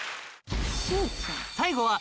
最後は